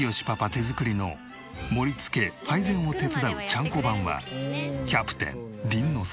手作りの盛り付け配膳を手伝うちゃんこ番はキャプテン倫之亮。